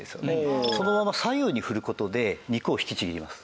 そのまま左右に振る事で肉を引きちぎります。